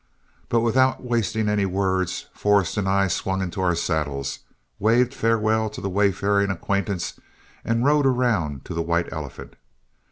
But without wasting any words, Forrest and I swung into our saddles, waved a farewell to the wayfaring acquaintance, and rode around to the White Elephant.